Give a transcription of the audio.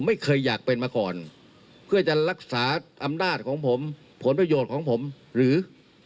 ไม่เคยอยากเป็นมาก่อนเพื่อจะรักษาอำนาจของผมผลประโยชน์ของผมหรือ